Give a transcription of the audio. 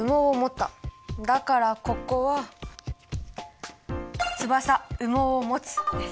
だからここは「翼・羽毛をもつ」です。